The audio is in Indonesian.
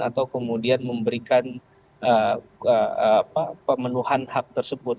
atau kemudian memberikan pemenuhan hak tersebut